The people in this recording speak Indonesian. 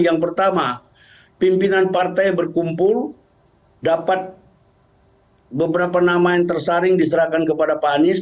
yang pertama pimpinan partai berkumpul dapat beberapa nama yang tersaring diserahkan kepada pak anies